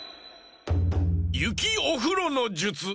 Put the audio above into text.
ゆきおふろのじゅつ。